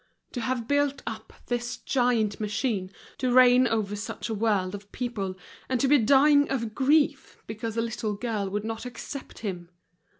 To have built up this giant machine, to reign over such a world of people, and to be dying of grief because a little girl would not accept him!